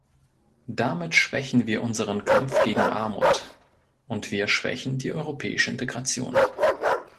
Damit schwächen wir unseren Kampf gegen Armut, und wir schwächen die europäische Integration.